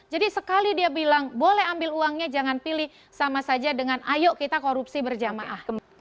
jadi sekali dia bilang boleh ambil uangnya jangan pilih sama saja dengan ayo kita korupsi berjamaah